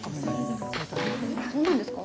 えっそうなんですか？